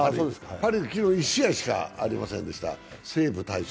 パ・リーグ昨日、１試合しかありませんでした。